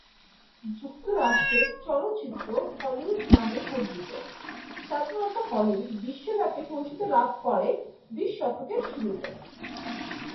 যুক্তরাষ্ট্রের চলচ্চিত্র হলিউড নামেই পরিচিত, সাধারণত হলিউড বিশ্বব্যাপী পরিচিতি লাভ করে বিশ শতকের শুরুতে।